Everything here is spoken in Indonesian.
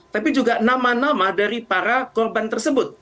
tapi juga nama nama dari para korban tersebut